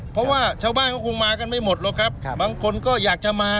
เพราะว่าชาวบ้านก็คงมากันไม่หมดหรอกครับบางคนก็อยากจะมา